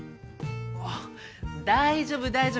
あっ大丈夫大丈夫。